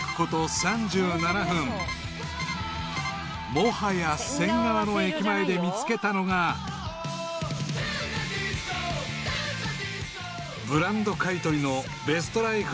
［もはや仙川の駅前で見つけたのがブランド買い取りのベストライフ